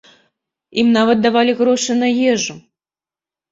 Ім нават давалі грошы на ежу.